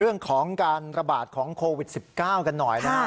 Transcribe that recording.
เรื่องของการระบาดของโควิด๑๙กันหน่อยนะครับ